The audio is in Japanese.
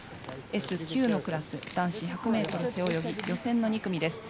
Ｓ９のクラス男子１００ｍ背泳ぎ予選の２組です。